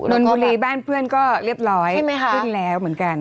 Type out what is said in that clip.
นนบุรีบ้านเพื่อนก็เรียบร้อยขึ้นแล้วเหมือนกัน